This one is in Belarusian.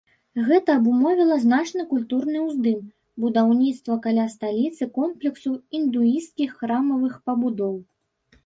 Гэта абумовіла значны культурны ўздым, будаўніцтва каля сталіцы комплексу індуісцкіх храмавых пабудоў.